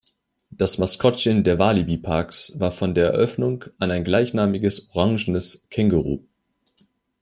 Das Maskottchen der Walibi-Parks war von der Eröffnung an ein gleichnamiges oranges Känguru.